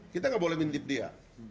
kita nggak boleh mindtip dia